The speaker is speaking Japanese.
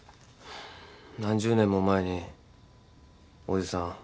何十年も前に伯父さん